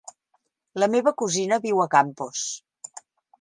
La meva cosina viu a Campos.